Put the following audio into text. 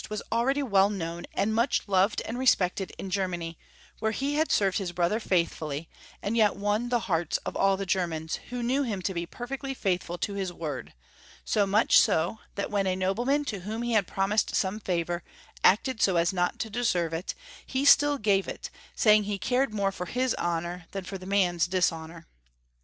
was already well known and much loved and respected in Germany, where he had served his brother faithfully, and yet won the hearts of all the Germans, who knew him to be perfectly faithful to his word ; so much so that when a nobleman to whom he had promised some favor acted so as not to deserve it, he still gave it, saying he cared more for his honor, than for the man's dishonor.